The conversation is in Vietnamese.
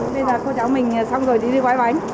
bây giờ cô cháu mình xong rồi thì đi gói bánh